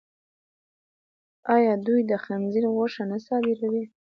آیا دوی د خنزیر غوښه نه صادروي؟